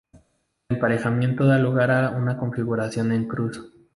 El emparejamiento da lugar a una configuración en cruz.